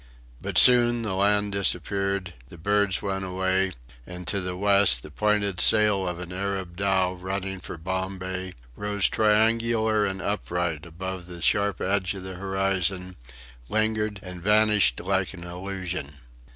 But soon the land disappeared, the birds went away; and to the west the pointed sail of an Arab dhow running for Bombay, rose triangular and upright above the sharp edge of the horizon, lingered and vanished like an illusion.